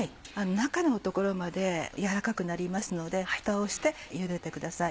中のところまで軟らかくなりますのでふたをしてゆでてください。